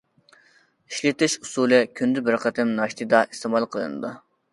ئىشلىتىش ئۇسۇلى كۈندە بىر قېتىم ناشتىدا ئىستېمال قىلىنىدۇ.